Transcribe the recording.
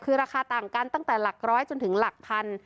คือราคาต่างกันตั้งแต่หลักร้อยจนถึงหลักพัน